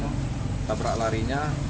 kalau untuk kendaraan yang tabrak larinya